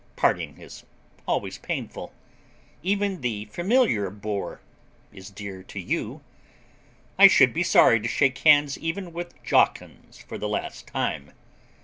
Parting is always painful. Even the familiar bore is dear to you. I should be sorry to shake hands even with Jawkins for the last time.